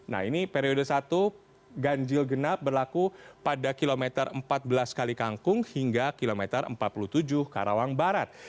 nah ini periode satu ganjil genap berlaku pada kilometer empat belas kali kangkung hingga kilometer empat puluh tujuh karawang barat